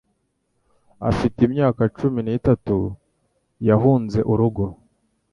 Afite imyaka cumi n'itatu, yahunze urugo.